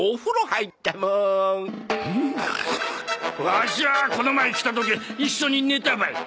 ワシはこの前来た時一緒に寝たばい。